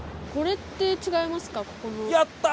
やった！